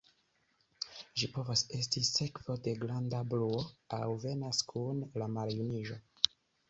Ĝi povas esti sekvo de granda bruo, aŭ venas kun la maljuniĝo.